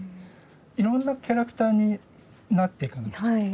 いろんなキャラクターになっていかなくちゃいけない。